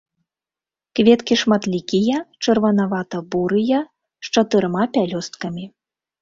Кветкі шматлікія, чырванавата-бурыя з чатырма пялёсткамі.